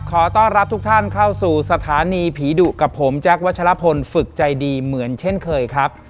ขอต้อนรับทุกท่านเข้าสู่สถานีผีดุกับผมแจ๊ควัชลพลฝึกใจดีเหมือนเช่นเคยครับ